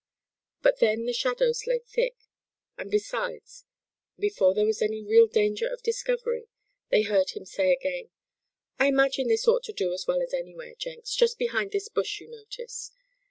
But then the shadows lay thick, and besides, before there was any real danger of discovery they heard him say again: "I imagine this ought to do as well as anywhere, Jenks, just behind this bush, you notice.